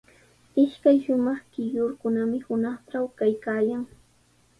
Ishkay shumaq quyllurkunami hunaqtraw kaykaayan.